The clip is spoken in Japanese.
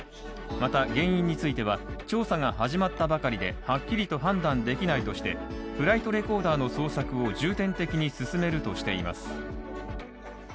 また、原因については調査が始まったばかりではっきりと判断できないとしてフライトレコーダーの捜索を重点的に進めるとしています。